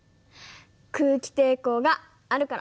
空気抵抗があるから。